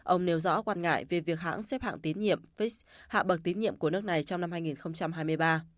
ông nêu rõ quan ngại về việc hãng xếp hạng tín nhiệm fix hạ bậc tín nhiệm của nước này trong năm hai nghìn hai mươi ba